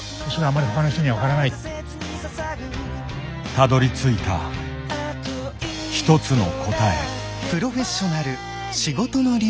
たどりついた一つの答え。